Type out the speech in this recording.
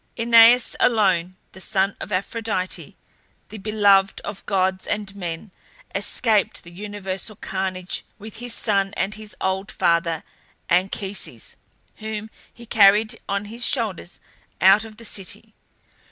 AEneas alone, the son of Aphrodite, the beloved of gods and men, escaped the universal carnage with his son and his old father Anchises, whom he carried on his shoulders out of the city.